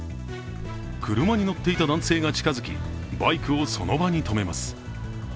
車に乗っていた男性が近づき、バイクをその場に止めます。